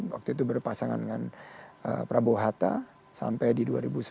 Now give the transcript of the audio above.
waktu itu berpasangan dengan prabowo hatta sampai di dua ribu sembilan belas